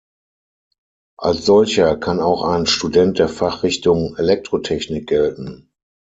Als solcher kann auch ein Student der Fachrichtung Elektrotechnik gelten.